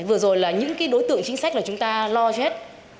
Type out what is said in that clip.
vừa rồi là những đối tượng chính sách là chúng ta lo cho hết